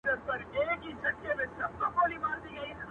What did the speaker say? چي بیا تښتي له کابله زخمي زړونه مات سرونه-